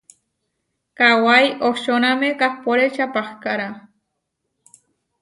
Kawái ohčóname kahpóre čapahkára.